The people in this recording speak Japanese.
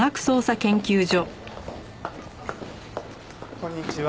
こんにちは。